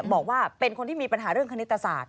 บอกว่าเป็นคนที่มีปัญหาเรื่องคณิตศาสต